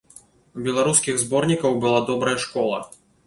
У беларускіх зборнікаў была добрая школа.